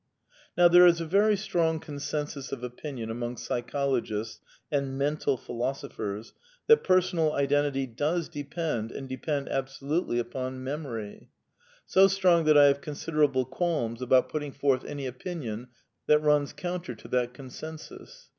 Now there is a very strong consensus of opinion among psychologists and *' mental philosophers'* that Personal Identity does depend, and depend absolutely upon Memory; So strong that I have considerable qualms about putting ? 38 A DEFENCE OF IDEALISM forth any opinion that runs counter to that consensus.